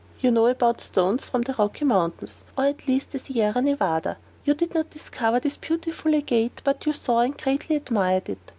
You know about stones from the Rocky Mountains, or at least the Sierra Nevada. You did not discover this beautiful agate, but you saw and greatly admired it.